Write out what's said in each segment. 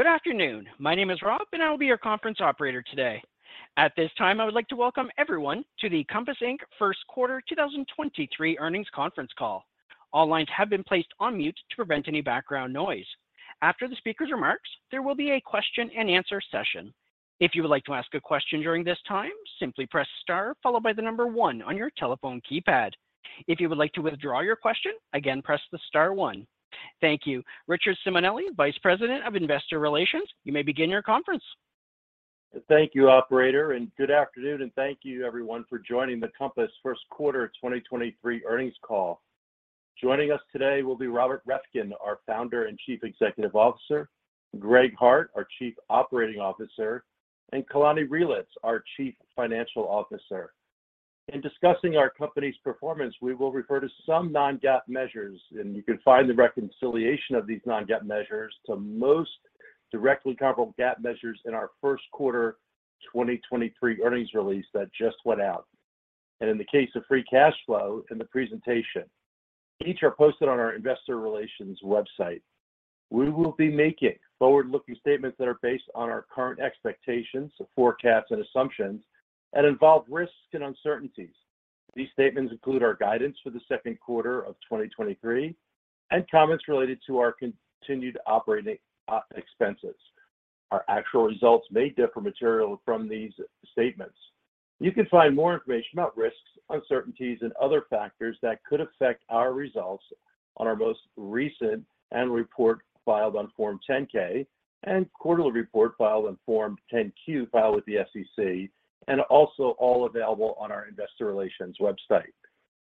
Good afternoon. My name is Rob. I will be your conference operator today. At this time, I would like to welcome everyone to the Compass Inc. First Quarter 2023 Earnings Conference Call. All lines have been placed on mute to prevent any background noise. After the speaker's remarks, there will be a question-and-answer session. If you would like to ask a question during this time, simply press star followed by 1 on your telephone keypad. If you would like to withdraw your question, again, press the star one. Thank you. Richard Simonelli, Vice President of Investor Relations, you may begin your conference. Thank you, operator, and good afternoon, and thank you everyone for joining the Compass First Quarter 2023 earnings call. Joining us today will be Robert Reffkin, our Founder and Chief Executive Officer, Greg Hart, our Chief Operating Officer, and Kalani Reelitz, our Chief Financial Officer. In discussing our company's performance, we will refer to some non-GAAP measures, and you can find the reconciliation of these non-GAAP measures to most directly comparable GAAP measures in our First Quarter 2023 earnings release that just went out, and in the case of free cash flow in the presentation. Each are posted on our investor relations website. We will be making forward-looking statements that are based on our current expectations, forecasts, and assumptions and involve risks and uncertainties. These statements include our guidance for the Second Quarter of 2023 and comments related to our continued operating expenses. Our actual results may differ materially from these statements. You can find more information about risks, uncertainties, and other factors that could affect our results on our most recent annual report filed on Form 10-K and quarterly report filed on Form 10-Q filed with the SEC, and also all available on our investor relations website.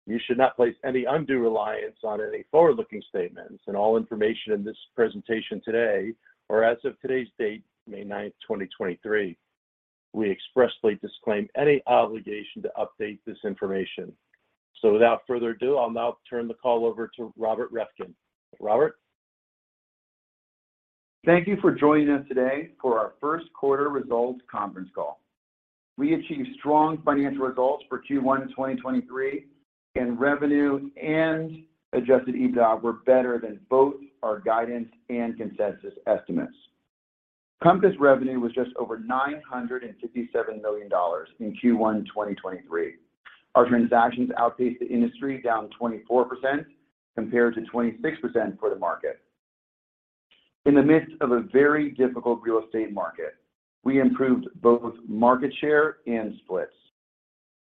You should not place any undue reliance on any forward-looking statements and all information in this presentation today or as of today's date, May 9, 2023. We expressly disclaim any obligation to update this information. Without further ado, I'll now turn the call over to Robert Reffkin. Robert. Thank you for joining us today for our first quarter results conference call. We achieved strong financial results for Q1 2023. Revenue and Adjusted EBITDA were better than both our guidance and consensus estimates. Compass revenue was just over $957 million in Q1 2023. Our transactions outpaced the industry, down 24% compared to 26% for the market. In the midst of a very difficult real estate market, we improved both market share and splits.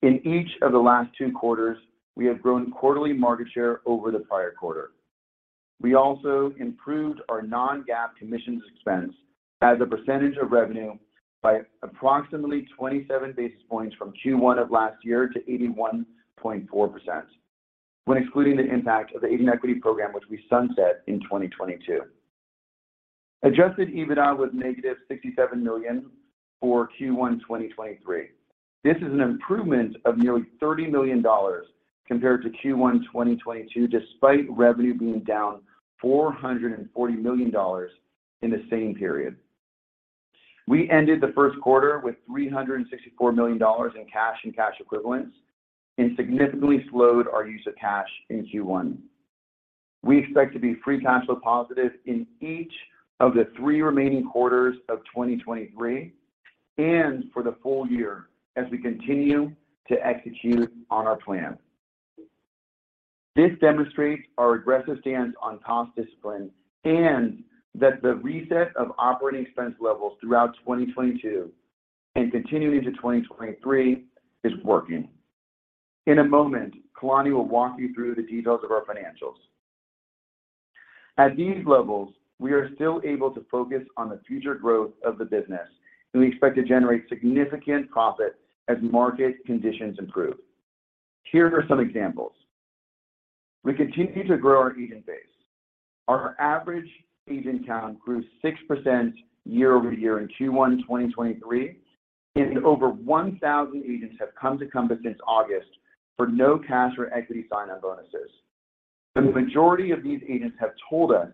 In each of the last two quarters, we have grown quarterly market share over the prior quarter. We also improved our non-GAAP commissions expense as a percentage of revenue by approximately 27 basis points from Q1 of last year to 81.4% when excluding the impact of the Agent Equity Program, which we sunset in 2022. Adjusted EBITDA was negative $67 million for Q1 2023. This is an improvement of nearly $30 million compared to Q1 2022, despite revenue being down $440 million in the same period. We ended the first quarter with $364 million in cash and cash equivalents and significantly slowed our use of cash in Q1. We expect to be free cash flow positive in each of the 3 remaining quarters of 2023 and for the full year as we continue to execute on our plan. This demonstrates our aggressive stance on cost discipline and that the reset of operating expense levels throughout 2022 and continuing to 2023 is working. In a moment, Kalani will walk you through the details of our financials. At these levels, we are still able to focus on the future growth of the business. We expect to generate significant profit as market conditions improve. Here are some examples. We continue to grow our agent base. Our average agent count grew 6% year-over-year in Q1 2023, and over 1,000 agents have come to Compass since August for no cash or equity sign-up bonuses. The majority of these agents have told us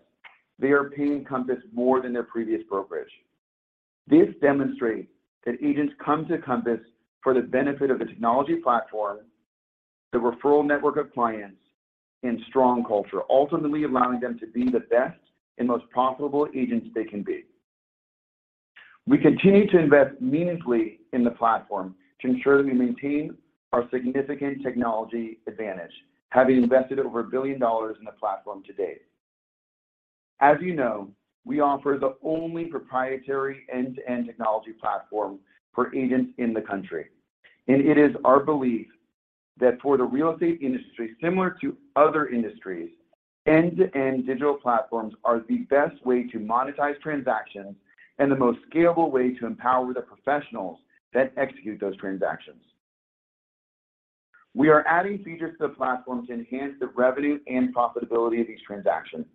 they are paying Compass more than their previous brokerage. This demonstrates that agents come to Compass for the benefit of the technology platform, the referral network of clients, and strong culture, ultimately allowing them to be the best and most profitable agents they can be. We continue to invest meaningfully in the platform to ensure that we maintain our significant technology advantage, having invested over $1 billion in the platform to date. As you know, we offer the only proprietary end-to-end technology platform for agents in the country, and it is our belief that for the real estate industry, similar to other industries, end-to-end digital platforms are the best way to monetize transactions and the most scalable way to empower the professionals that execute those transactions. We are adding features to the platform to enhance the revenue and profitability of these transactions.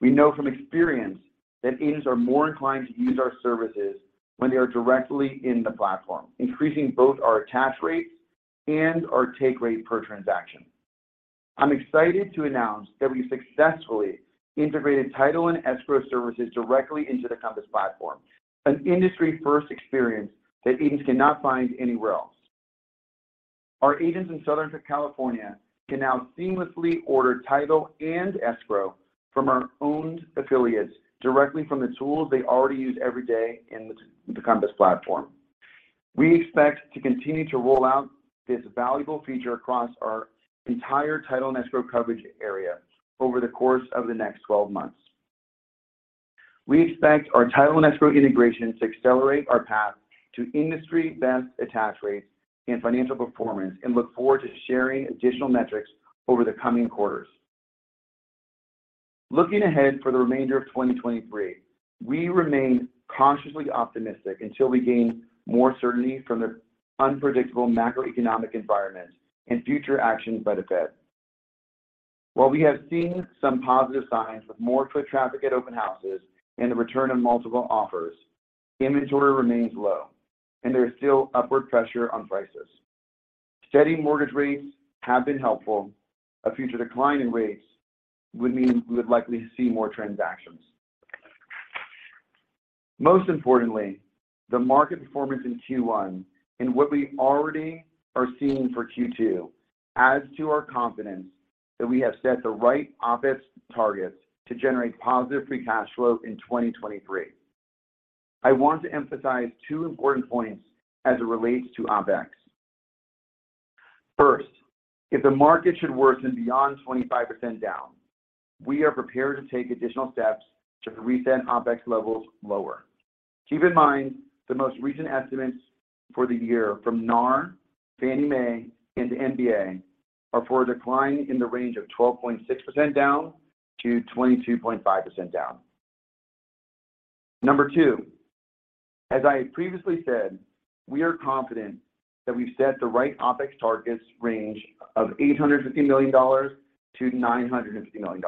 We know from experience that agents are more inclined to use our services when they are directly in the platform, increasing both our attach rates and our take rate per transaction. I'm excited to announce that we successfully integrated title and escrow services directly into the Compass platform, an industry-first experience that agents cannot find anywhere else. Our agents in Southern California can now seamlessly order title and escrow from our owned affiliates directly from the tools they already use every day in the Compass platform. We expect to continue to roll out this valuable feature across our entire title and escrow coverage area over the course of the next 12 months. We expect our title and escrow integration to accelerate our path to industry-best attach rates and financial performance, and look forward to sharing additional metrics over the coming quarters. Looking ahead for the remainder of 2023, we remain cautiously optimistic until we gain more certainty from the unpredictable macroeconomic environment and future actions by the Fed. While we have seen some positive signs with more foot traffic at open houses and the return of multiple offers, inventory remains low, and there is still upward pressure on prices. Steady mortgage rates have been helpful. A future decline in rates would mean we would likely see more transactions. Most importantly, the market performance in Q1 and what we already are seeing for Q2 adds to our confidence that we have set the right OpEx targets to generate positive free cash flow in 2023. I want to emphasize two important points as it relates to OpEx. First, if the market should worsen beyond 25% down, we are prepared to take additional steps to reset OpEx levels lower. Keep in mind, the most recent estimates for the year from NAR, Fannie Mae, and the MBA are for a decline in the range of 12.6%-22.5% down. Number 2, as I previously said, we are confident that we've set the right OpEx targets range of $850 million-$950 million.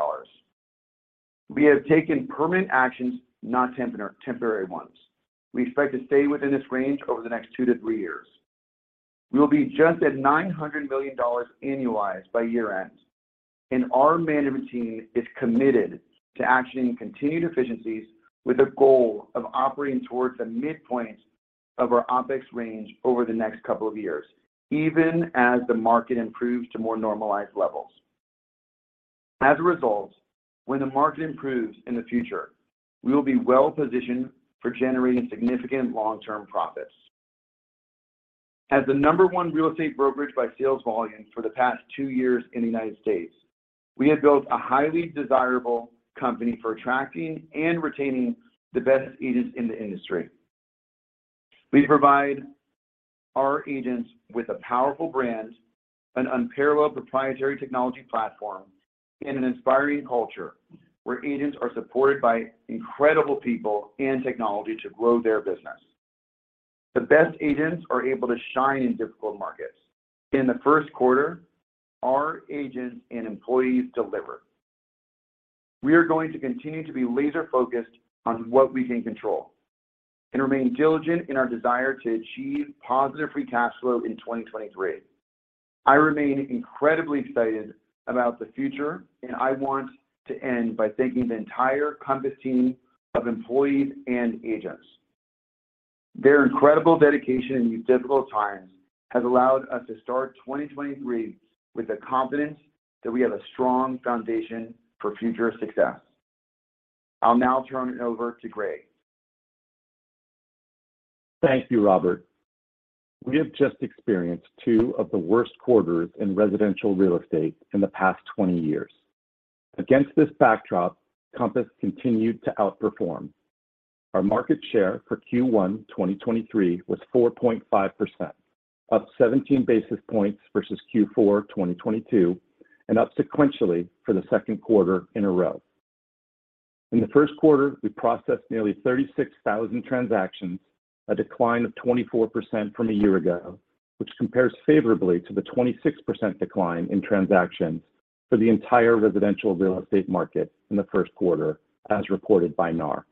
We have taken permanent actions, not temporary ones. We expect to stay within this range over the next 2 years-3 years. We will be just at $900 million annualized by year-end, and our management team is committed to actioning continued efficiencies with the goal of operating towards the midpoint of our OpEx range over the next couple of years, even as the market improves to more normalized levels. When the market improves in the future, we will be well-positioned for generating significant long-term profits. As the number one real estate brokerage by sales volume for the past two years in the United States, we have built a highly desirable company for attracting and retaining the best agents in the industry. We provide our agents with a powerful brand, an unparalleled proprietary technology platform, and an inspiring culture where agents are supported by incredible people and technology to grow their business. The best agents are able to shine in difficult markets. In the first quarter, our agents and employees delivered. We are going to continue to be laser-focused on what we can control and remain diligent in our desire to achieve positive free cash flow in 2023. I remain incredibly excited about the future, and I want to end by thanking the entire Compass team of employees and agents. Their incredible dedication in these difficult times has allowed us to start 2023 with the confidence that we have a strong foundation for future success. I'll now turn it over to Greg. Thank you, Robert. We have just experienced two of the worst quarters in residential real estate in the past 20 years. Against this backdrop, Compass continued to outperform. Our market share for Q1 2023 was 4.5%, up 17 basis points versus Q4 2022, and up sequentially for the second quarter in a row. In the first quarter, we processed nearly 36,000 transactions, a decline of 24% from a year ago, which compares favorably to the 26% decline in transactions for the entire residential real estate market in the first quarter as reported by NAR.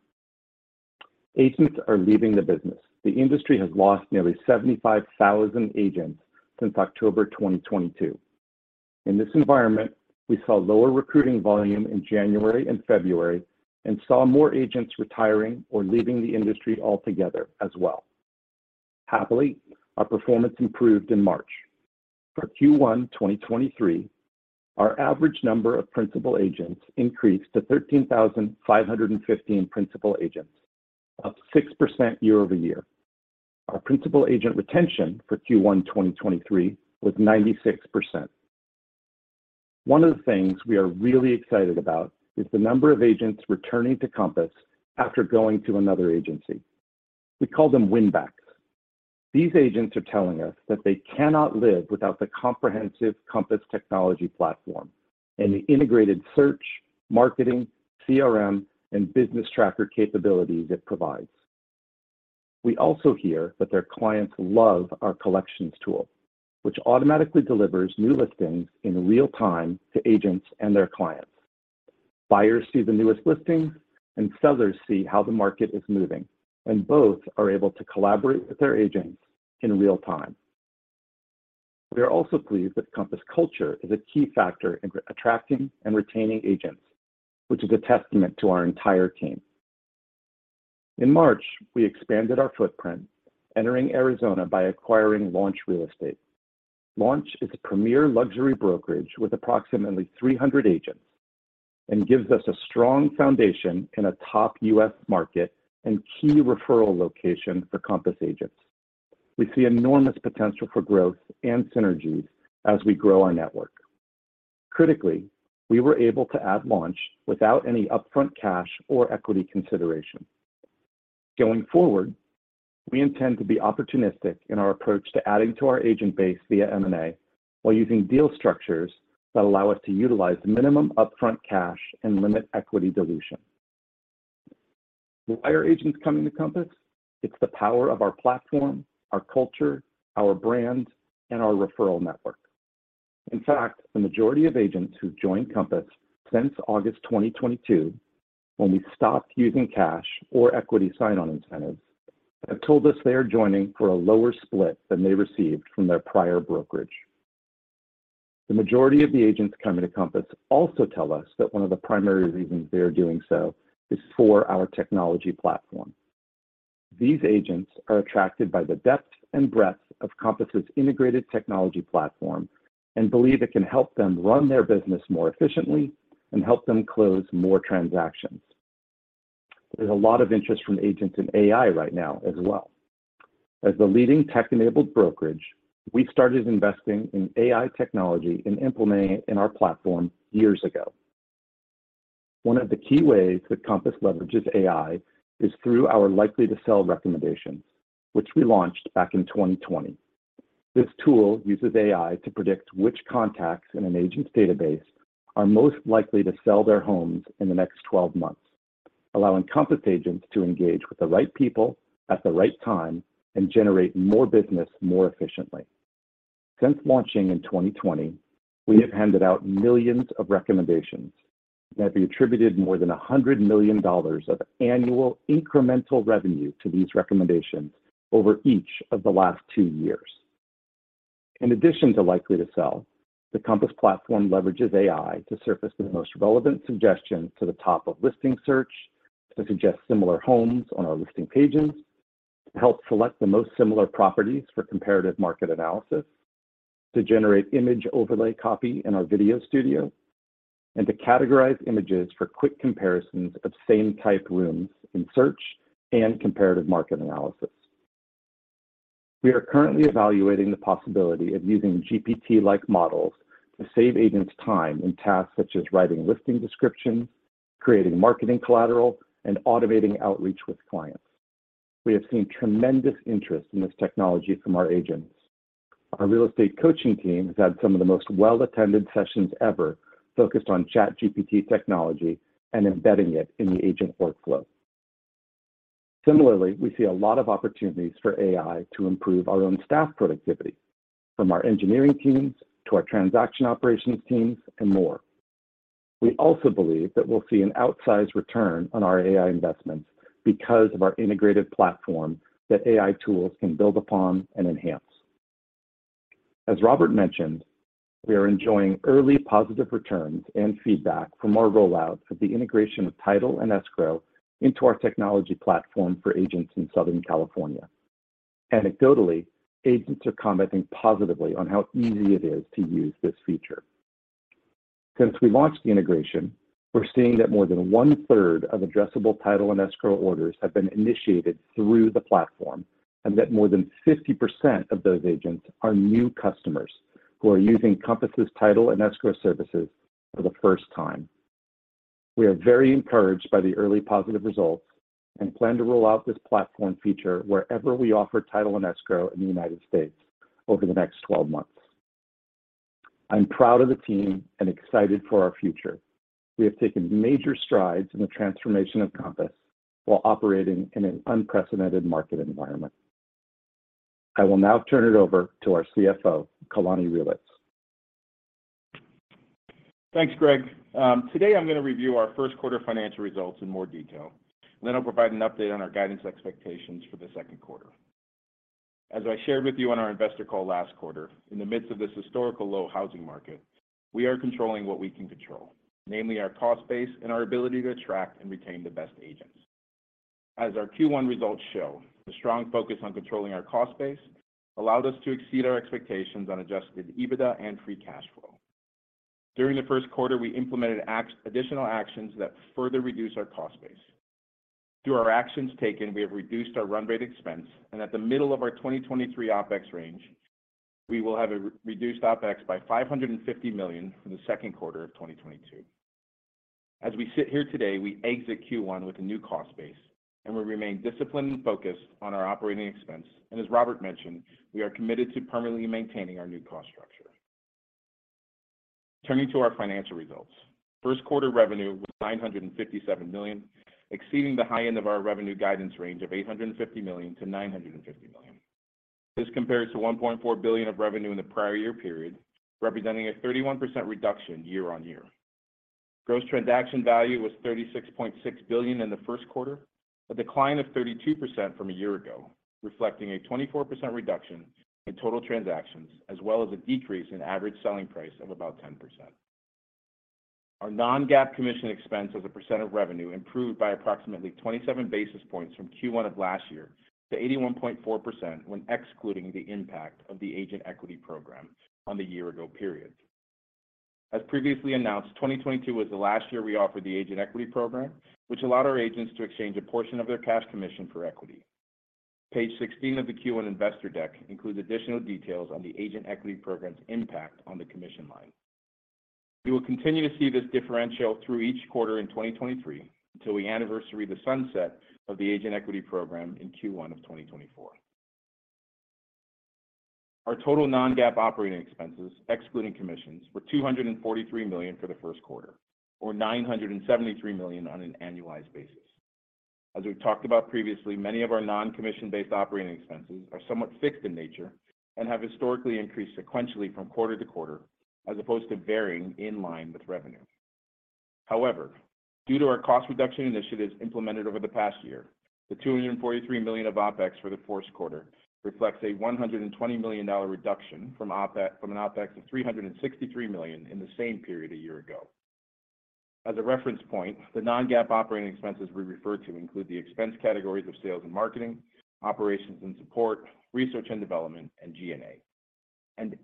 Agents are leaving the business. The industry has lost nearly 75,000 agents since October 2022. In this environment, we saw lower recruiting volume in January and February and saw more agents retiring or leaving the industry altogether as well. Happily, our performance improved in March. For Q1 2023, our average number of Principal Agents increased to 13,515 Principal Agents, up 6% year-over-year. Our Principal Agent retention for Q1 2023 was 96%. One of the things we are really excited about is the number of agents returning to Compass after going to another agency. We call them win-backs. These agents are telling us that they cannot live without the comprehensive Compass technology platform and the integrated search, marketing, CRM, and Business Tracker capabilities it provides. We also hear that their clients love our Collections tool, which automatically delivers new listings in real time to agents and their clients. Buyers see the newest listings, and sellers see how the market is moving, and both are able to collaborate with their agents in real time. We are also pleased that Compass culture is a key factor in attracting and retaining agents, which is a testament to our entire team. In March, we expanded our footprint entering Arizona by acquiring Launch Real Estate. Launch is a premier luxury brokerage with approximately 300 agents and gives us a strong foundation in a top U.S. market and key referral location for Compass agents. We see enormous potential for growth and synergies as we grow our network. Critically, we were able to add Launch without any upfront cash or equity consideration. Going forward, we intend to be opportunistic in our approach to adding to our agent base via M&A while using deal structures that allow us to utilize minimum upfront cash and limit equity dilution. Why are agents coming to Compass? It's the power of our platform, our culture, our brand, and our referral network. In fact, the majority of agents who've joined Compass since August 2022, when we stopped using cash or equity sign-on incentives, have told us they are joining for a lower split than they received from their prior brokerage. The majority of the agents coming to Compass also tell us that one of the primary reasons they are doing so is for our technology platform. These agents are attracted by the depth and breadth of Compass's integrated technology platform and believe it can help them run their business more efficiently and help them close more transactions. There's a lot of interest from agents in AI right now as well. As the leading tech-enabled brokerage, we started investing in AI technology and implementing it in our platform years ago. One of the key ways that Compass leverages AI is through our Likely to Sell recommendations, which we launched back in 2020. This tool uses AI to predict which contacts in an agent's database are most likely to sell their homes in the next 12 months, allowing Compass agents to engage with the right people at the right time and generate more business more efficiently. Since launching in 2020, we have handed out millions of recommendations that have been attributed more than $100 million of annual incremental revenue to these recommendations over each of the last two years. In addition to Likely to Sell, the Compass platform leverages AI to surface the most relevant suggestions to the top of listing search, to suggest similar homes on our listing pages, to help select the most similar properties for Comparative Market Analysis, to generate image overlay copy in our Video Studio, and to categorize images for quick comparisons of same type rooms in search and Comparative Market Analysis. We are currently evaluating the possibility of using GPT-like models to save agents time in tasks such as writing listing descriptions, creating marketing collateral, and automating outreach with clients. We have seen tremendous interest in this technology from our agents. Our real estate coaching team has had some of the most well-attended sessions ever focused on ChatGPT technology and embedding it in the agent workflow. Similarly, we see a lot of opportunities for AI to improve our own staff productivity, from our engineering teams to our transaction operations teams and more. We also believe that we'll see an outsized return on our AI investments because of our integrated platform that AI tools can build upon and enhance. As Robert mentioned, we are enjoying early positive returns and feedback from our rollout of the integration of title and escrow into our technology platform for agents in Southern California. Anecdotally, agents are commenting positively on how easy it is to use this feature. Since we launched the integration, we're seeing that more than 1/3 of addressable title and escrow orders have been initiated through the platform, and that more than 50% of those agents are new customers who are using Compass's title and escrow services for the first time. We are very encouraged by the early positive results and plan to roll out this platform feature wherever we offer title and escrow in the United States over the next 12 months. I'm proud of the team and excited for our future. We have taken major strides in the transformation of Compass while operating in an unprecedented market environment. I will now turn it over to our CFO, Kalani Reelitz. Thanks, Greg. Today I'm going to review our 1st quarter financial results in more detail, and then I'll provide an update on our guidance expectations for the 2nd quarter. As I shared with you on our investor call last quarter, in the midst of this historical low housing market, we are controlling what we can control, namely our cost base and our ability to attract and retain the best agents. As our Q1 results show, the strong focus on controlling our cost base allowed us to exceed our expectations on Adjusted EBITDA and free cash flow. During the 1st quarter, we implemented additional actions that further reduce our cost base. Through our actions taken, we have reduced our run rate expense, and at the middle of our 2023 OpEx range, we will have reduced OpEx by $550 million from the 2nd quarter of 2022. As we sit here today, we exit Q1 with a new cost base, and we remain disciplined and focused on our operating expense. As Robert mentioned, we are committed to permanently maintaining our new cost structure. Turning to our financial results. First quarter revenue was $957 million, exceeding the high end of our revenue guidance range of $850 million-$950 million. This compares to $1.4 billion of revenue in the prior year period, representing a 31% reduction year-over-year. Gross Transaction Value was $36.6 billion in the first quarter, a decline of 32% from a year ago, reflecting a 24% reduction in total transactions, as well as a decrease in average selling price of about 10%. Our non-GAAP commission expense as a percent of revenue improved by approximately 27 basis points from Q1 of last year to 81.4% when excluding the impact of the Agent Equity Program on the year ago period. As previously announced, 2022 was the last year we offered the Agent Equity Program, which allowed our agents to exchange a portion of their cash commission for equity. Page 16 of the Q1 investor deck includes additional details on the Agent Equity Program's impact on the commission line. We will continue to see this differential through each quarter in 2023 until we anniversary the sunset of the Agent Equity Program in Q1 of 2024. Our total non-GAAP operating expenses, excluding commissions, were $243 million for the first quarter or $973 million on an annualized basis. As we've talked about previously, many of our non-commission-based operating expenses are somewhat fixed in nature and have historically increased sequentially from quarter to quarter, as opposed to varying in line with revenue. Due to our cost reduction initiatives implemented over the past year, the $243 million of OpEx for the first quarter reflects a $120 million reduction from an OpEx of $363 million in the same period a year ago. As a reference point, the non-GAAP operating expenses we refer to include the expense categories of sales and marketing, operations and support, research and development, and G&A.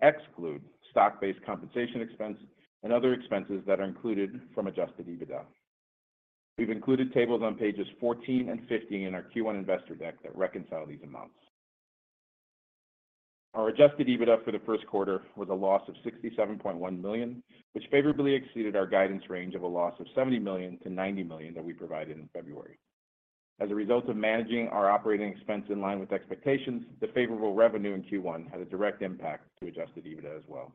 Exclude stock-based compensation expense and other expenses that are included from Adjusted EBITDA. We've included tables on pages 14 and 15 in our Q1 investor deck that reconcile these amounts. Our Adjusted EBITDA for the 1st quarter was a loss of $67.1 million, which favorably exceeded our guidance range of a loss of $70 million-$90 million that we provided in February. As a result of managing our operating expense in line with expectations, the favorable revenue in Q1 had a direct impact to Adjusted EBITDA as well.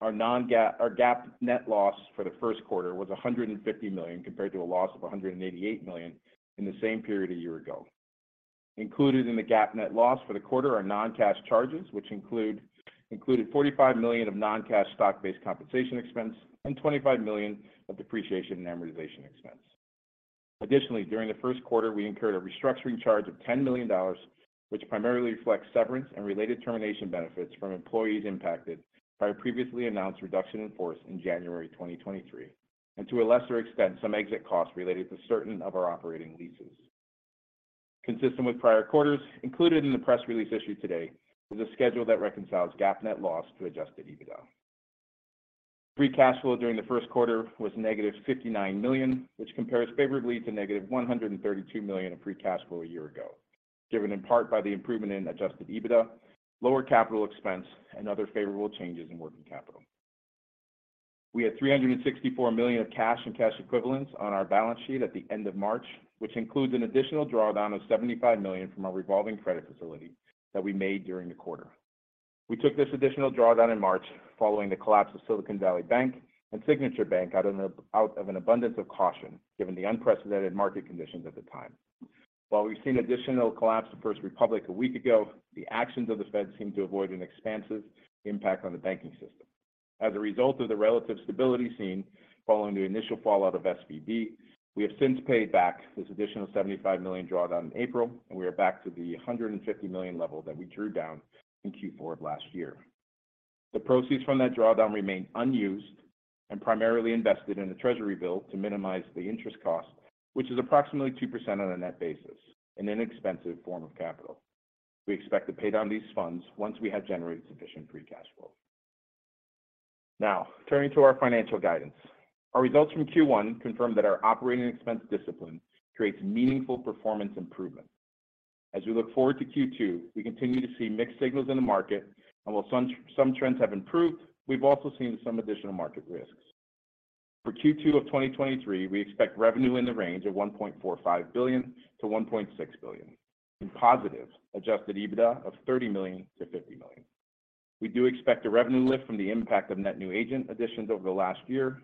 Our GAAP net loss for the first quarter was $150 million compared to a loss of $188 million in the same period a year ago. Included in the GAAP net loss for the quarter are non-cash charges, which included $45 million of non-cash stock-based compensation expense and $25 million of depreciation and amortization expense. During the first quarter, we incurred a restructuring charge of $10 million, which primarily reflects severance and related termination benefits from employees impacted by our previously announced reduction in force in January 2023, and to a lesser extent, some exit costs related to certain of our operating leases. Consistent with prior quarters, included in the press release issued today was a schedule that reconciles GAAP net loss to Adjusted EBITDA. Free cash flow during the first quarter was -$59 million, which compares favorably to -$132 million of free cash flow a year ago, driven in part by the improvement in Adjusted EBITDA, lower capital expense, and other favorable changes in working capital. We had $364 million of cash and cash equivalents on our balance sheet at the end of March, which includes an additional drawdown of $75 million from our revolving credit facility that we made during the quarter. We took this additional drawdown in March following the collapse of Silicon Valley Bank and Signature Bank out of an abundance of caution, given the unprecedented market conditions at the time. We've seen additional collapse of First Republic a week ago, the actions of the Fed seem to avoid an expansive impact on the banking system. As a result of the relative stability seen following the initial fallout of SVB, we have since paid back this additional $75 million drawdown in April. We are back to the $150 million level that we drew down in Q4 of last year. The proceeds from that drawdown remain unused and primarily invested in a treasury bill to minimize the interest cost, which is approximately 2% on a net basis, an inexpensive form of capital. We expect to pay down these funds once we have generated sufficient free cash flow. Turning to our financial guidance. Our results from Q1 confirm that our operating expense discipline creates meaningful performance improvement. As we look forward to Q2, we continue to see mixed signals in the market. While some trends have improved, we've also seen some additional market risks. For Q2 of 2023, we expect revenue in the range of $1.45 billion-$1.6 billion and positive Adjusted EBITDA of $30 million-$50 million. We do expect a revenue lift from the impact of net new agent additions over the last year.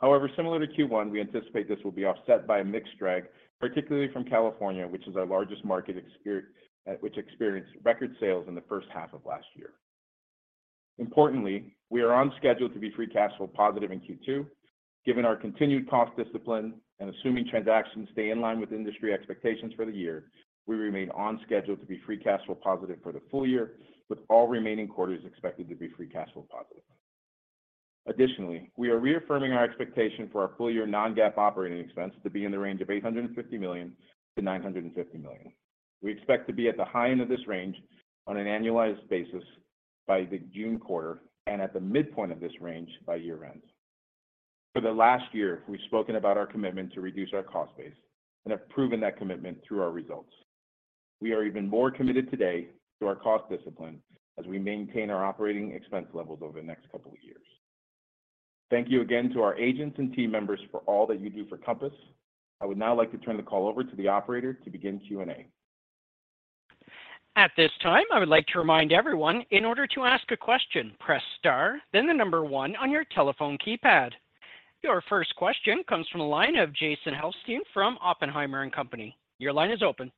However, similar to Q1, we anticipate this will be offset by a mix drag, particularly from California, which is our largest market which experienced record sales in the first half of last year. Importantly, we are on schedule to be free cash flow positive in Q2. Given our continued cost discipline and assuming transactions stay in line with industry expectations for the year, we remain on schedule to be free cash flow positive for the full year, with all remaining quarters expected to be free cash flow positive. Additionally, we are reaffirming our expectation for our full-year non-GAAP operating expense to be in the range of $850 million-$950 million. We expect to be at the high end of this range on an annualized basis by the June quarter and at the midpoint of this range by year-end. For the last year, we've spoken about our commitment to reduce our cost base and have proven that commitment through our results. We are even more committed today to our cost discipline as we maintain our operating expense levels over the next couple of years. Thank you again to our agents and team members for all that you do for Compass. I would now like to turn the call over to the operator to begin Q&A. At this time, I would like to remind everyone in order to ask a question, press star, then the number 1 on your telephone keypad. Your first question comes from the line of Jason Helfstein from Oppenheimer and Company. Your line is open.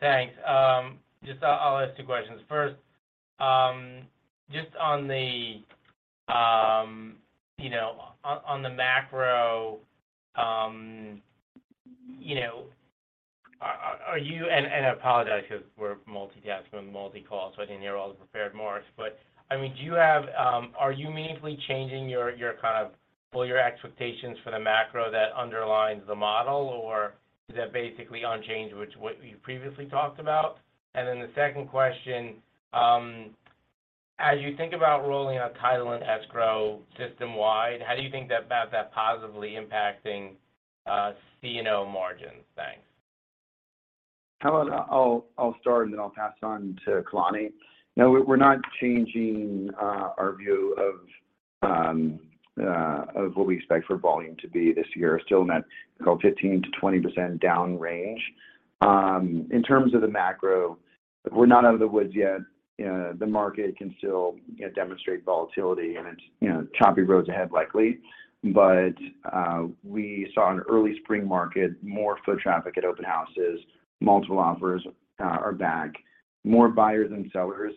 Thanks. I'll ask two questions. First, just on the, you know, on the macro. You know, are you? I apologize because we're multitasking multi-call, so I think you're all prepared more. I mean, do you have are you meaningfully changing your kind of well, your expectations for the macro that underlines the model, or is that basically unchanged, which what you previously talked about? The second question, as you think about rolling out title and escrow system-wide, how do you think that positively impacting C&O margins? Thanks. Helen, I'll start and then I'll pass on to Kalani. No, we're not changing our view of what we expect for volume to be this year. Still in that kind of 15%-20% down range. In terms of the macro, we're not out of the woods yet. The market can still, you know, demonstrate volatility, and it's, you know, choppy roads ahead likely. We saw an early spring market, more foot traffic at open houses, multiple offers are back. More buyers than sellers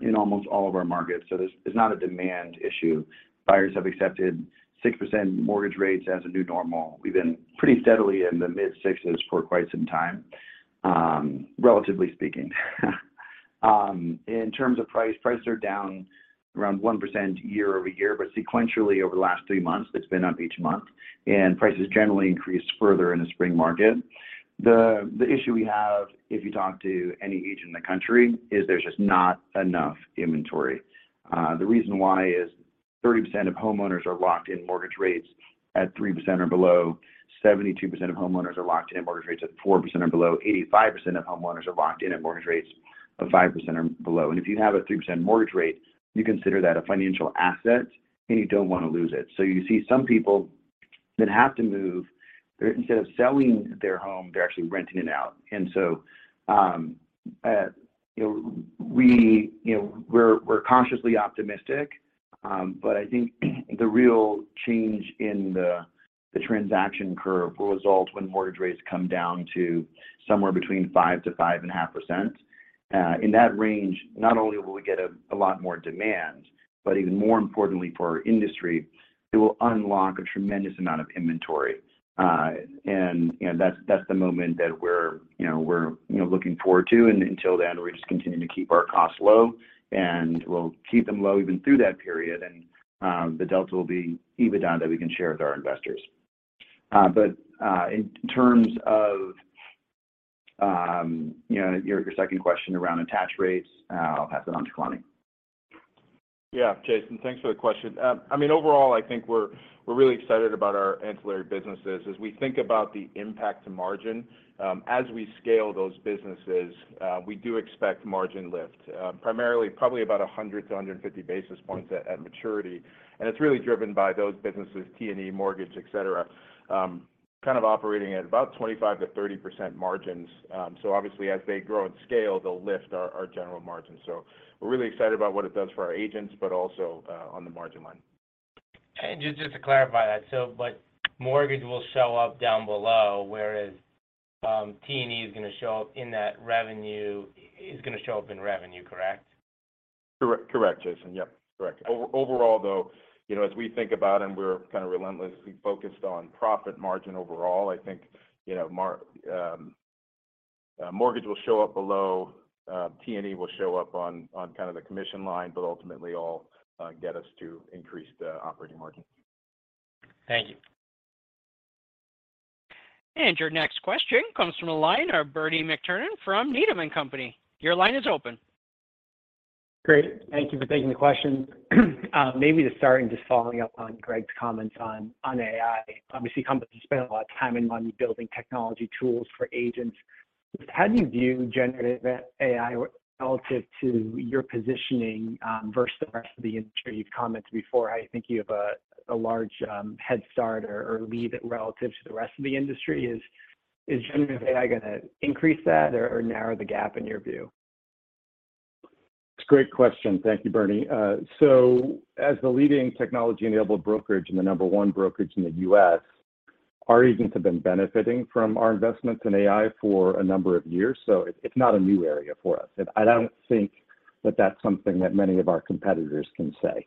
in almost all of our markets. This is not a demand issue. Buyers have accepted 6% mortgage rates as a new normal. We've been pretty steadily in the mid-sixes for quite some time, relatively speaking. In terms of price, prices are down around 1% year-over-year, but sequentially over the last three months, it's been up each month, prices generally increase further in the spring market. The issue we have, if you talk to any agent in the country, is there's just not enough inventory. The reason why is 30% of homeowners are locked in mortgage rates at 3% or below. 72% of homeowners are locked in mortgage rates at 4% or below. 85% of homeowners are locked in at mortgage rates of 5% or below. If you have a 3% mortgage rate, you consider that a financial asset, and you don't want to lose it. You see some people that have to move, instead of selling their home, they're actually renting it out. You know, we're cautiously optimistic. I think the real change in the transaction curve will result when mortgage rates come down to somewhere between 5%-5.5%. In that range, not only will we get a lot more demand, but even more importantly for our industry, it will unlock a tremendous amount of inventory. You know, that's the moment that we're looking forward to. Until then, we just continue to keep our costs low, and we'll keep them low even through that period. The delta will be EBITDA that we can share with our investors. In terms of, you know, your second question around attach rates, I'll pass it on to Kalani. Yeah. Jason, thanks for the question. I mean overall, I think we're really excited about our ancillary businesses. As we think about the impact to margin, as we scale those businesses, we do expect margin lift. primarily probably about 100-150 basis points at maturity. It's really driven by those businesses, T&E, mortgage, et cetera, kind of operating at about 25% to 30% margins. Obviously, as they grow and scale, they'll lift our general margins. We're really excited about what it does for our agents, but also, on the margin line. Just to clarify that, so but mortgage will show up down below, whereas, T&E is gonna show up in revenue, correct? Correct, Jason. Yep, correct. Overall, though, you know, as we think about and we're kind of relentlessly focused on profit margin overall, I think, you know, mortgage will show up below. T&E will show up on kind of the commission line, but ultimately all get us to increase the operating margin. Thank you. Your next question comes from the line of Bernie McTernan from Needham & Company. Your line is open. Great. Thank you for taking the question. Maybe to start just following up on Greg's comments on AI. Obviously, companies have spent a lot of time and money building technology tools for agents. Just how do you view generative AI relative to your positioning versus the rest of the industry? You've commented before how you think you have a large head start or lead relative to the rest of the industry. Is generative AI gonna increase that or narrow the gap in your view? It's a great question. Thank you, Bernie. As the leading technology-enabled brokerage and the number one brokerage in the U.S., our agents have been benefiting from our investments in AI for a number of years, so it's not a new area for us. I don't think that that's something that many of our competitors can say.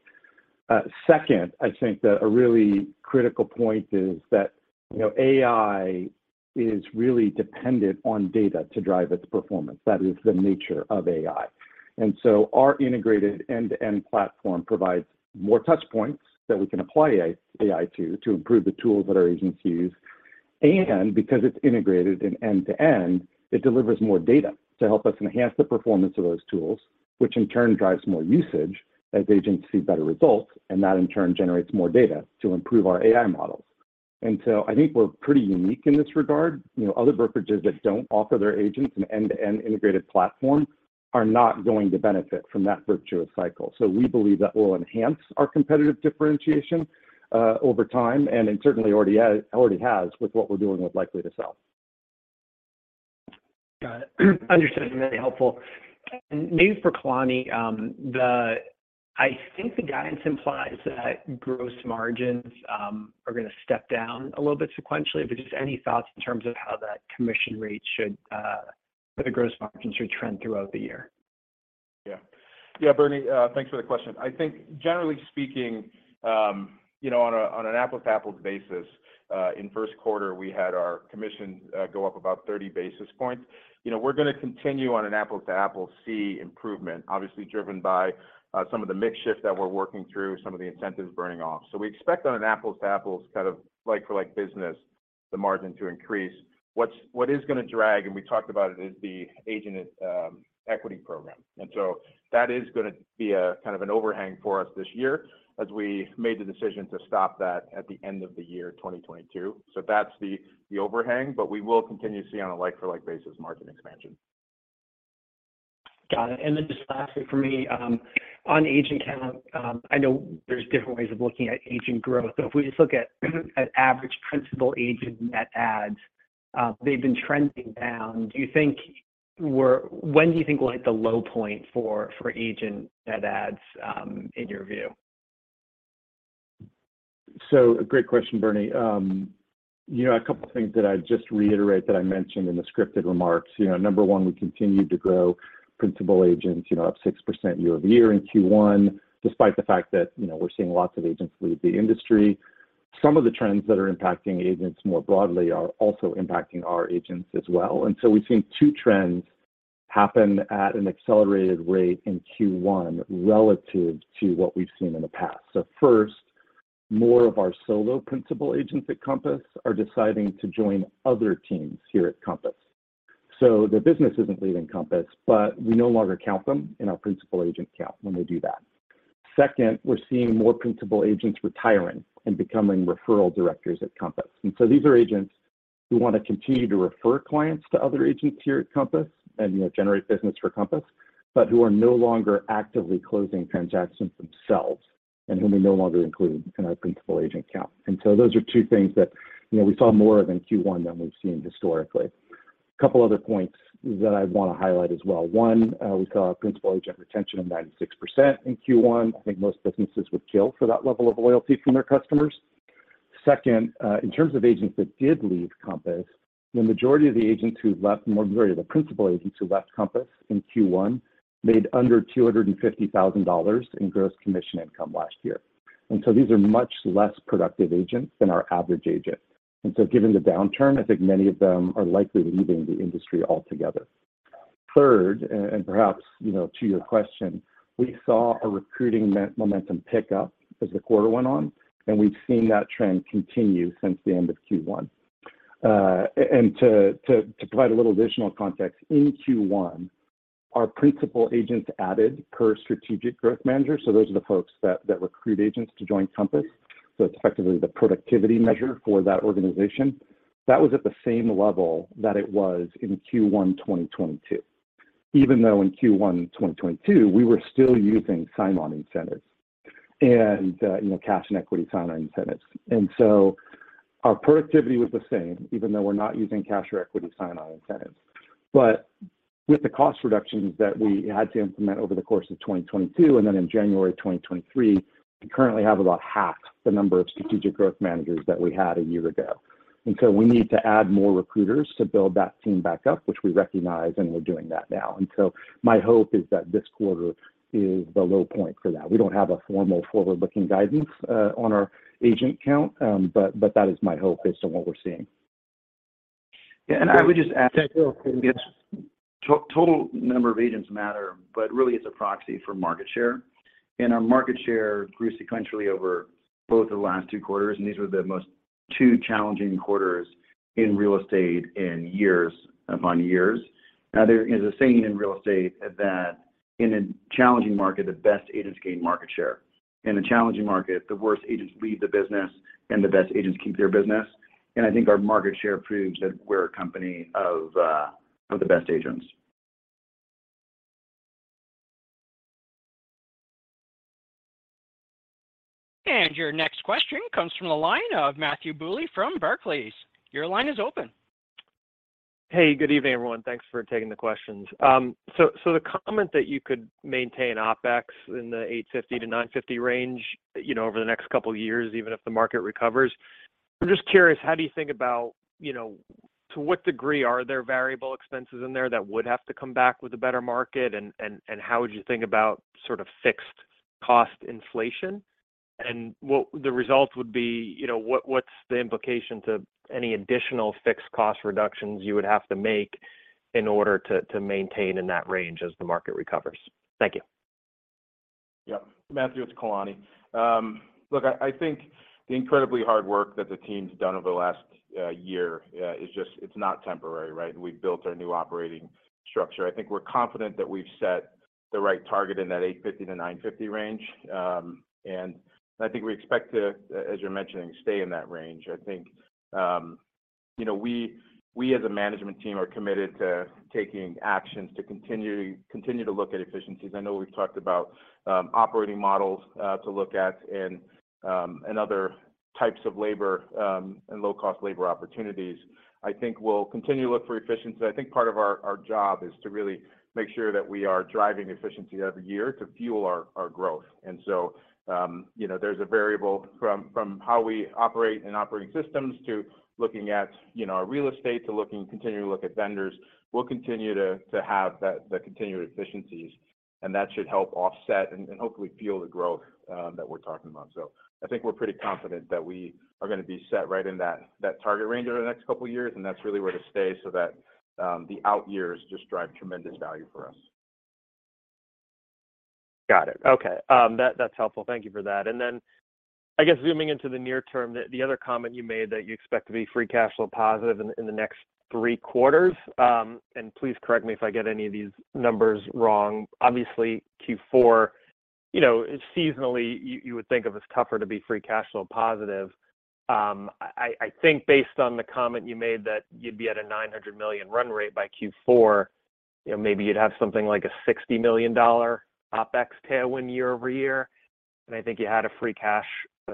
Second, I think that a really critical point is that, you know, AI is really dependent on data to drive its performance. That is the nature of AI. Our integrated end-to-end platform provides more touch points that we can apply AI to improve the tools that our agents use. Because it's integrated in end to end, it delivers more data to help us enhance the performance of those tools, which in turn drives more usage as agents see better results, and that in turn generates more data to improve our AI models. I think we're pretty unique in this regard. You know, other brokerages that don't offer their agents an end-to-end integrated platform are not going to benefit from that virtuous cycle. We believe that will enhance our competitive differentiation over time, and it certainly already has with what we're doing with Likely to Sell. Got it. Understood and very helpful. Maybe for Kalani, I think the guidance implies that gross margins are gonna step down a little bit sequentially. Just any thoughts in terms of how that commission rate should or the gross margins should trend throughout the year? Yeah. Yeah, Bernie, thanks for the question. I think generally speaking, you know, on an apples-to-apples basis, in first quarter we had our commission go up about 30 basis points. You know, we're gonna continue on an apples-to-apples see improvement, obviously driven by some of the mix shift that we're working through, some of the incentives burning off. We expect on an apples-to-apples kind of like for like business, the margin to increase. What is gonna drag, and we talked about it, is the Agent Equity Program. That is gonna be a kind of an overhang for us this year as we made the decision to stop that at the end of the year 2022. That's the overhang, but we will continue to see on a like-for-like basis margin expansion. Got it. Just lastly for me, on agent count, I know there's different ways of looking at agent growth. If we just look at average Principal Agent net adds, they've been trending down. When do you think we'll hit the low point for agent net adds in your view? Great question, Bernie. You know, a couple of things that I'd just reiterate that I mentioned in the scripted remarks. You know, number one, we continued to grow Principal Agents, you know, up 6% year-over-year in Q1, despite the fact that, you know, we're seeing lots of agents leave the industry. Some of the trends that are impacting agents more broadly are also impacting our agents as well. We've seen two trends happen at an accelerated rate in Q1 relative to what we've seen in the past. First, more of our solo Principal Agents at Compass are deciding to join other teams here at Compass. The business isn't leaving Compass, but we no longer count them in our Principal Agent count when they do that. Second, we're seeing more Principal Agents retiring and becoming referral directors at Compass. These are agents who wanna continue to refer clients to other agents here at Compass and, you know, generate business for Compass, but who are no longer actively closing transactions themselves and who we no longer include in our principal agent count. Those are two things that, you know, we saw more of in Q1 than we've seen historically. A couple other points that I wanna highlight as well. One, we saw a principal agent retention of 96% in Q1. I think most businesses would kill for that level of loyalty from their customers. Second, in terms of agents that did leave Compass, the majority of the agents who left, the majority of the principal agents who left Compass in Q1 made under $250,000 in gross commission income last year. These are much less productive agents than our average agent. Given the downturn, I think many of them are likely leaving the industry altogether. Third, and perhaps, you know, to your question, we saw a recruiting momentum pick up as the quarter went on, and we've seen that trend continue since the end of Q1. To provide a little additional context, in Q1, our Principal Agents added per Strategic Growth Manager. Those are the folks that recruit agents to join Compass. It's effectively the productivity measure for that organization. That was at the same level that it was in Q1 2022, even though in Q1 2022, we were still using sign-on incentives and, you know, cash and equity sign-on incentives. Our productivity was the same, even though we're not using cash or equity sign-on incentives. With the cost reductions that we had to implement over the course of 2022 and then in January 2023, we currently have about half the number of Strategic Growth Managers that we had a year ago. We need to add more recruiters to build that team back up, which we recognize, and we're doing that now. My hope is that this quarter is the low point for that. We don't have a formal forward-looking guidance on our agent count, but that is my hope based on what we're seeing. Yeah, and I would just add. Thank you. It's total number of agents matter, but really it's a proxy for market share. Our market share grew sequentially over both of the last two quarters, and these were the most two challenging quarters in real estate in years upon years. There is a saying in real estate that in a challenging market, the best agents gain market share. In a challenging market, the worst agents leave the business and the best agents keep their business. I think our market share proves that we're a company of the best agents. Your next question comes from the line of Matthew Bouley from Barclays. Your line is open. Hey, good evening, everyone. Thanks for taking the questions. The comment that you could maintain OpEx in the $850-$950 range, you know, over the next couple of years, even if the market recovers, I'm just curious, how do you think about, you know, to what degree are there variable expenses in there that would have to come back with a better market? How would you think about sort of fixed cost inflation? What's the result would be, you know, what's the implication to any additional fixed cost reductions you would have to make to maintain in that range as the market recovers? Thank you. Yep. Matthew, it's Kalani. Look, I think the incredibly hard work that the team's done over the last year is not temporary, right? We've built our new operating structure. I think we're confident that we've set the right target in that 850-950 range. I think we expect to, as you're mentioning, stay in that range. I think, you know, we as a management team are committed to taking actions to continue to look at efficiencies. I know we've talked about operating models to look at and other types of labor and low-cost labor opportunities. I think we'll continue to look for efficiency. I think part of our job is to really make sure that we are driving efficiency every year to fuel our growth. You know, there's a variable from how we operate in operating systems to looking at, you know, our real estate to continuing to look at vendors. We'll continue to have that continued efficiencies, and that should help offset and hopefully fuel the growth that we're talking about. I think we're pretty confident that we are gonna be set right in that target range over the next couple of years, and that's really where to stay so that the out years just drive tremendous value for us. Got it. Okay. That, that's helpful. Thank you for that. Then I guess zooming into the near term, the other comment you made that you expect to be free cash flow positive in the next three quarters, please correct me if I get any of these numbers wrong. Obviously, Q4, you know, seasonally you would think of as tougher to be free cash flow positive. I think based on the comment you made that you'd be at a $900 million run rate by Q4, you know, maybe you'd have something like a $60 million OpEx tailwind year-over-year. I think you had a free cash,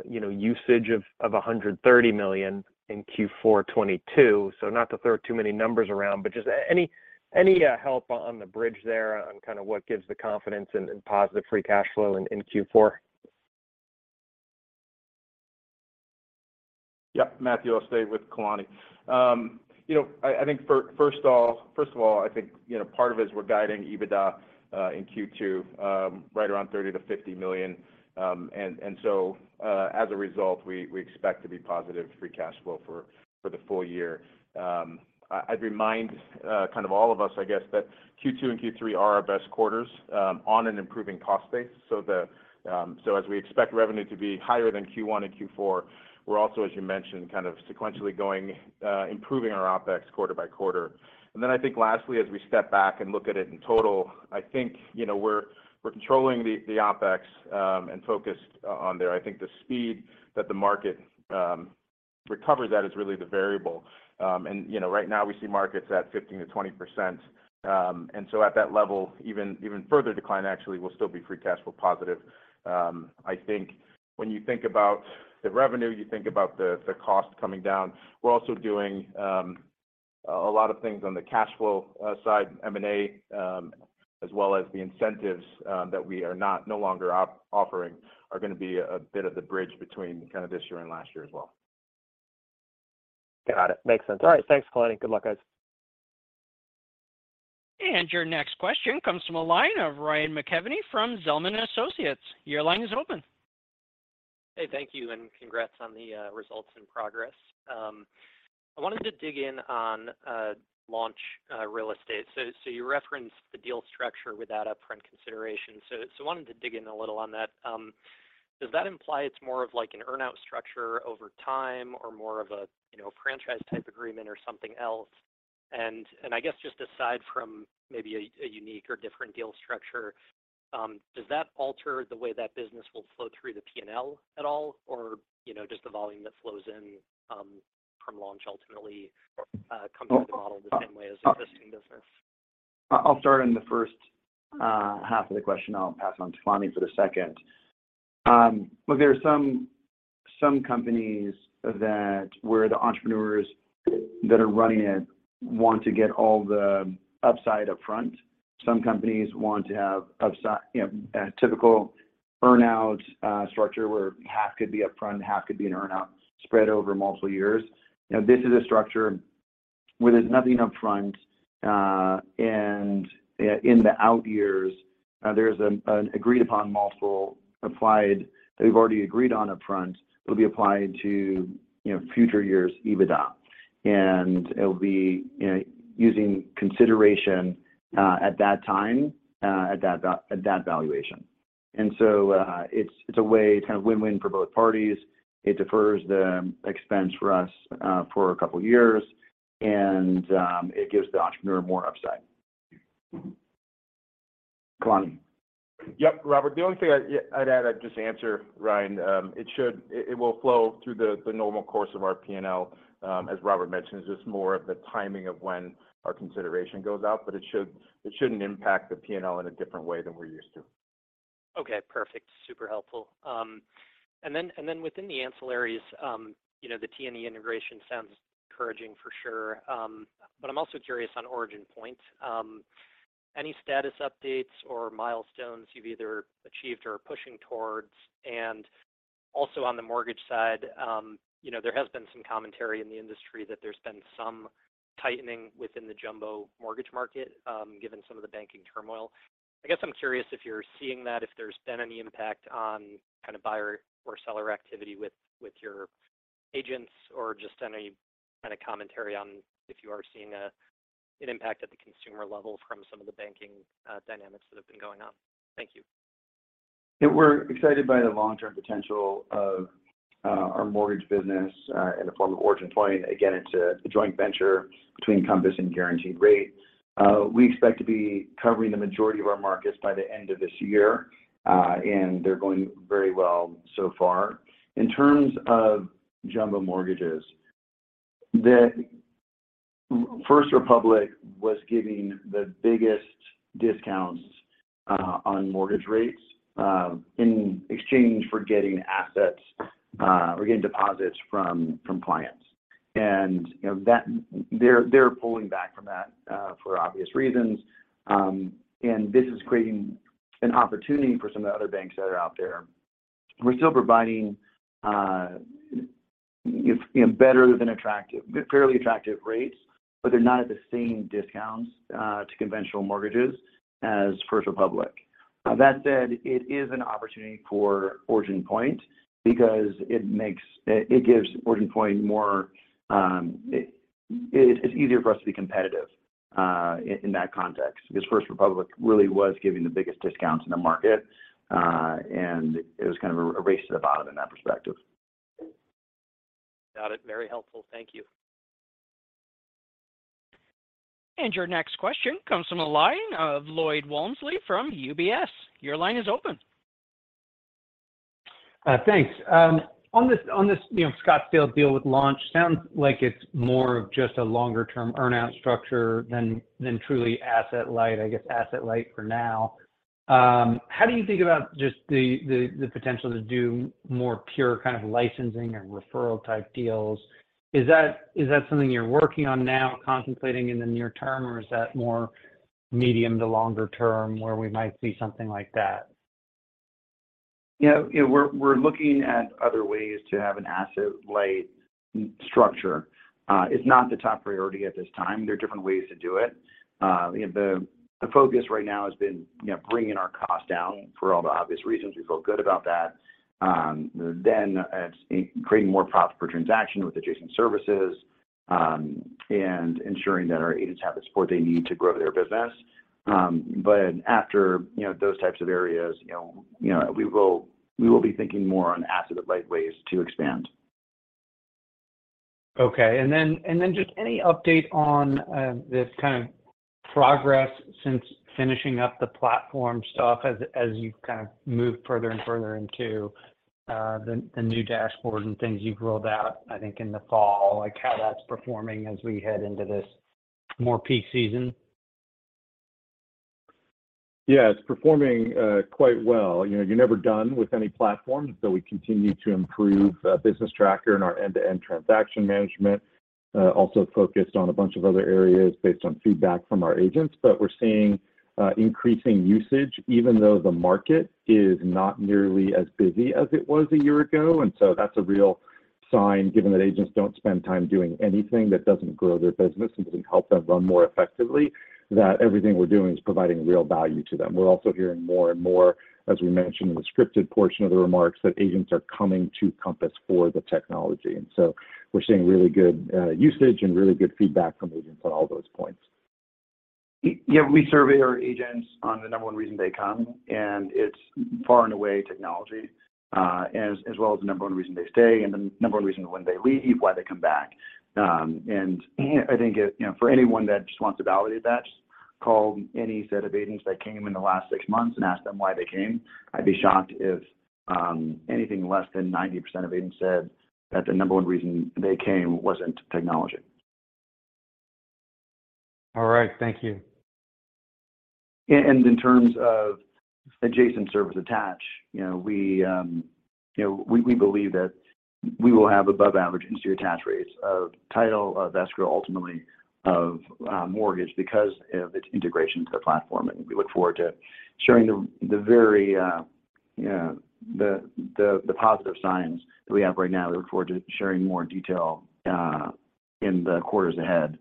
you know, usage of $130 million in Q4 2022. Not to throw too many numbers around, but just any help on the bridge there on kind of what gives the confidence in positive free cash flow in Q4? Yeah. Matthew, I'll stay with Kalani. You know, I think first of all, I think, you know, part of it is we're guiding EBITDA in Q2, right around $30 million-$50 million. As a result, we expect to be positive free cash flow for the full year. I'd remind kind of all of us, I guess, that Q2 and Q3 are our best quarters on an improving cost base. As we expect revenue to be higher than Q1 and Q4, we're also, as you mentioned, kind of sequentially going improving our OpEx quarter by quarter. I think lastly, as we step back and look at it in total, I think, you know, we're controlling the OpEx and focused on there. I think the speed that the market recovers that is really the variable. You know, right now we see markets at 15%-20%. At that level, even further decline actually will still be free cash flow positive. I think when you think about the revenue, you think about the cost coming down. We're also doing a lot of things on the cash flow side, M&A, as well as the incentives that we are no longer offering are gonna be a bit of the bridge between kind of this year and last year as well. Got it. Makes sense. All right. Thanks, Kalani. Good luck, guys. Your next question comes from a line of Ryan McKeveny from Zelman & Associates. Your line is open. Hey, thank you, and congrats on the results and progress. I wanted to dig in on Launch Real Estate. You referenced the deal structure without upfront consideration. Wanted to dig in a little on that. Does that imply it's more of like an earn-out structure over time or more of a, you know, franchise type agreement or something else? I guess just aside from maybe a unique or different deal structure, does that alter the way that business will flow through the P&L at all? You know, just the volume that flows in from Launch ultimately comes through the model the same way as existing business? I'll start on the first half of the question. I'll pass on to Kalani for the second. Look, there are some companies that where the entrepreneurs that are running it want to get all the upside upfront. Some companies want to have upside... You know, a typical earn-out structure where half could be upfront, half could be an earn-out spread over multiple years. You know, this is a structure where there's nothing upfront, and in the out years, there's an agreed upon multiple applied that we've already agreed on upfront. It'll be applied to, you know, future years EBITDA, and it'll be, you know, using consideration at that time, at that valuation. It's a way kind of win-win for both parties. It defers the expense for us, for a couple of years, and it gives the entrepreneur more upside. Kalani. Yep. Robert. The only thing I'd add, I'd just answer Ryan, it will flow through the normal course of our P&L, as Robert mentioned. It's just more of the timing of when our consideration goes out, but it shouldn't impact the P&L in a different way than we're used to. Okay. Perfect. Super helpful. Within the ancillaries, you know, the T&E integration sounds encouraging for sure. I'm also curious on OriginPoint. Any status updates or milestones you've either achieved or are pushing towards? Also on the mortgage side, you know, there has been some commentary in the industry that there's been some tightening within the jumbo mortgage market, given some of the banking turmoil. I guess I'm curious if you're seeing that, if there's been any impact on kind of buyer or seller activity with your agents or just any kind of commentary on if you are seeing an impact at the consumer level from some of the banking dynamics that have been going on. Thank you. Yeah. We're excited by the long-term potential of our mortgage business in the form of OriginPoint. Again, it's a joint venture between Compass and Guaranteed Rate. We expect to be covering the majority of our markets by the end of this year, and they're going very well so far. In terms of jumbo mortgages. First Republic was giving the biggest discounts on mortgage rates in exchange for getting assets or getting deposits from clients. You know, they're pulling back from that for obvious reasons. This is creating an opportunity for some of the other banks that are out there. We're still providing, you know, fairly attractive rates, but they're not at the same discounts to conventional mortgages as First Republic. That said, it is an opportunity for OriginPoint because it gives OriginPoint more. It is easier for us to be competitive in that context, because First Republic really was giving the biggest discounts in the market. It was kind of a race to the bottom in that perspective. Got it. Very helpful. Thank you. Your next question comes from the line of Lloyd Walmsley from UBS. Your line is open. Thanks. On this, you know, Scottsdale deal with Launch, sounds like it's more of just a longer term earn-out structure than truly asset-light. I guess asset-light for now. How do you think about just the potential to do more pure kind of licensing and referral type deals? Is that something you're working on now, contemplating in the near term, or is that more medium to longer term where we might see something like that? Yeah. You know, we're looking at other ways to have an asset-light structure. It's not the top priority at this time. There are different ways to do it. You know, the focus right now has been, you know, bringing our costs down for all the obvious reasons. We feel good about that. Then it's creating more profit per transaction with adjacent services, and ensuring that our agents have the support they need to grow their business. After, you know, those types of areas, you know, we will be thinking more on asset-light ways to expand. Okay. Just any update on this kind of progress since finishing up the platform stuff as you've kind of moved further and further into the new dashboard and things you've rolled out, I think, in the fall, like how that's performing as we head into this more peak season? Yeah. It's performing quite well. You know, you're never done with any platform, we continue to improve Business Tracker and our end-to-end transaction management. Also focused on a bunch of other areas based on feedback from our agents. We're seeing increasing usage even though the market is not nearly as busy as it was a year ago. That's a real sign, given that agents don't spend time doing anything that doesn't grow their business and doesn't help them run more effectively, that everything we're doing is providing real value to them. We're also hearing more and more, as we mentioned in the scripted portion of the remarks, that agents are coming to Compass for the technology. We're seeing really good usage and really good feedback from agents on all those points. Yeah, we survey our agents on the number one reason they come, It's far and away technology, as well as the number one reason they stay and the number one reason when they leave, why they come back. I think, you know, for anyone that just wants to validate that, call any set of agents that came in the last six months and ask them why they came. I'd be shocked if anything less than 90% of agents said that the number one reason they came wasn't technology. All right. Thank you. In terms of adjacent service attach, you know, we believe that we will have above average industry attach rates of title, of escrow, ultimately of mortgage because of its integration into the platform. We look forward to sharing the very, the positive signs that we have right now. We look forward to sharing more detail in the quarters ahead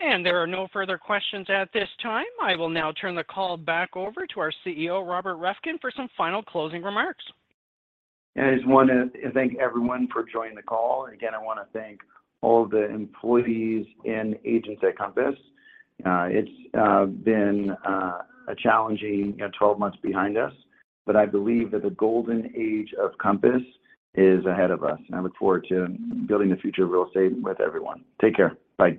on how it's driving attach. There are no further questions at this time. I will now turn the call back over to our CEO, Robert Reffkin, for some final closing remarks. I just wanna thank everyone for joining the call. Again, I wanna thank all the employees and agents at Compass. It's been a challenging, you know, 12 months behind us, but I believe that the golden age of Compass is ahead of us, and I look forward to building the future of real estate with everyone. Take care. Bye.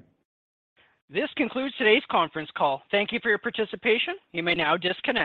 This concludes today's conference call. Thank you for your participation. You may now disconnect.